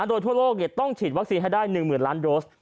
โดยทั่วโลกต้องฉีดวัคซีนให้ได้๑๐๐๐ล้านโดส